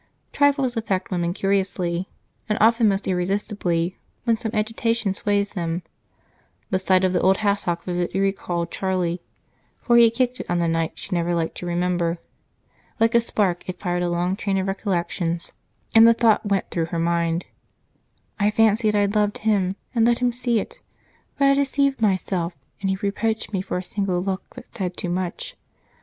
Trifles affect women curiously, and often most irresistibly when some agitation sways them. The sight of the old hassock vividly recalled Charlie, for he had kicked it on the night she never liked to remember. Like a spark it fired a long train of recollections, and the thought went through her mind: "I fancied I loved him, and let him see it, but I deceived myself, and he reproached me for a single look that said too much.